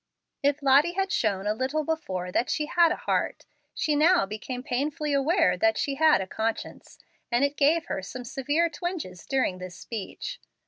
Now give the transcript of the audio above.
If Lottie had shown a little before that she had a heart, she now became painfully aware that she had a conscience, and it gave her some severe twinges during this speech.